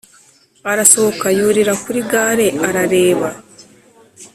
arasohoka, yurira kuri gare, arareba.